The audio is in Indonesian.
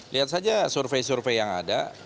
lihat saja survei survei yang ada